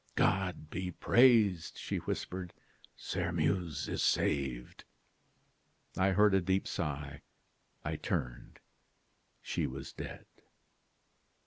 "'God be praised!' she whispered; 'Sairmeuse is saved!' "I heard a deep sigh. I turned; she was dead."